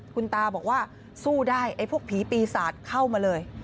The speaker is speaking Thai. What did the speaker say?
คุณตาบอกว่าสู้ได้ไอ้พวกผีปีศาจเข้ามาเลย